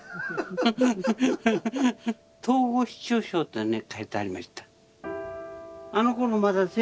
統合失調症ってね書いてありました。